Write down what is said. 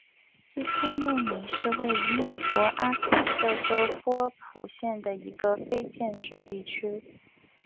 伊科诺米是位于美国阿肯色州波普县的一个非建制地区。